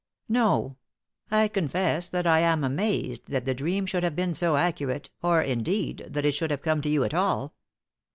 "No; I confess that I am amazed that the dream should have been so accurate, or, indeed, that it should have come to you at all."